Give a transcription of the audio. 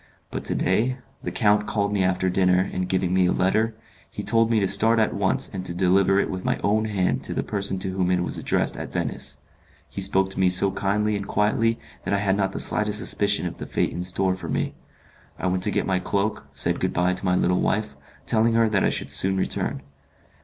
But to day the count called me after dinner, and giving me a letter, he told me to start at once and to deliver it with my own hand to the person to whom it was addressed at Venice. He spoke to me so kindly and quietly that I had not the slightest suspicion of the fate in store for me. I went to get my cloak, said good bye to my little wife, telling her that I should soon return.